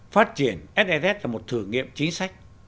phát triển sss là một thử nghiệm chính sách